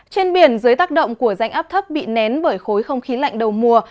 trên biển dưới tác động của rãnh áp thấp bị nén bởi khối không khí lạnh đầu mùa